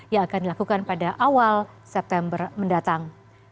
yang akan dilakukan pada awal september mendatang